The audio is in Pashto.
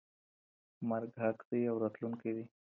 مرګ حق دی او راتلونکی دی.